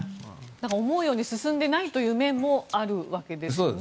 思うように進んでいないという面もあるわけですね。